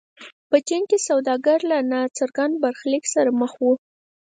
په چین کې سوداګر له ناڅرګند برخلیک سره مخ وو.